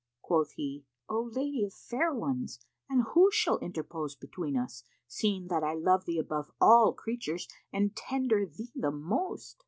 Quoth he, "O lady of fair ones, and who shall interpose between us, seeing that I love thee above all creatures and tender thee the most?"